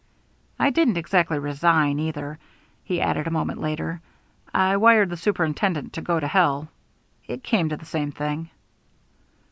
I didn't exactly resign, either," he added a moment later. "I wired the superintendent to go to hell. It came to the same thing."